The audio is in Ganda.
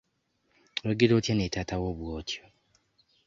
Oyogera otya ne taata wo bw'otyo?